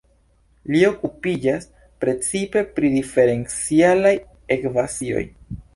Li okupiĝas precipe pri diferencialaj ekvacioj.